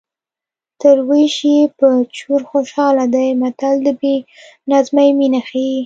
تر وېش یې په چور خوشحاله دی متل د بې نظمۍ مینه ښيي